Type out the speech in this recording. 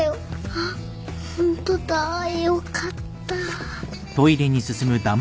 あっホントだよかった。